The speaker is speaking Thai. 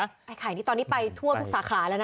ไอ้ไข่นี่ตอนนี้ไปทั่วทุกสาขาแล้วนะ